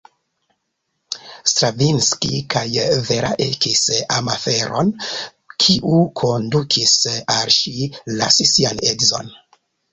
Stravinski kaj Vera ekis amaferon kiu kondukis al ŝi lasi sian edzon.